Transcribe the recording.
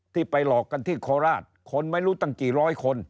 ไปหลอกกันที่โคราชคนไม่รู้ตั้งกี่ร้อยคน